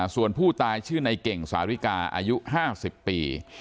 ส่วนผู้ตายชื่อในเก่งสาริกาอายุ๕๐ปี